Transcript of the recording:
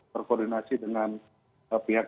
berkoordinasi dengan pihak